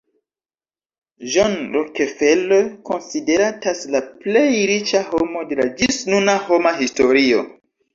John Rockefeller konsideratas la plej riĉa homo de la ĝisnuna homa historio.